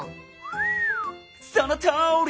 そのとおり！